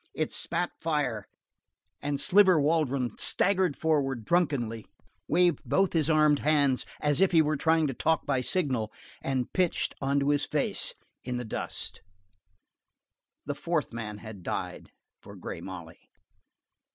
It spat fire, and Sliver Waldron staggered forward drunkenly, waved both his armed hands as if he were trying to talk by signal, and pitched on his face into the dust. The fourth man had died for Grey Molly.